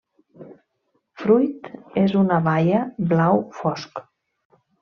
Fruit és una baia blau fosc.